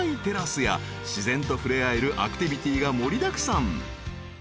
［自然と触れ合えるアクティビティーが盛りだくさん］